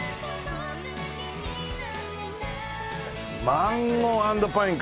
マンゴー＆パインか。